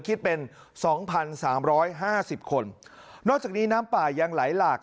คิดเป็น๒๓๕๐คนนอกจากนี้น้ำป่ายังไหลหลาก